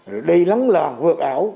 rồi đi lắng làng vượt ảo